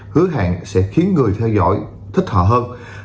hứa hẹn sẽ khiến người theo dõi thích họ hơn